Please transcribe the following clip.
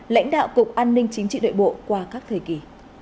lãnh đạo cục an ninh chính trị nội bộ qua các thời kỳ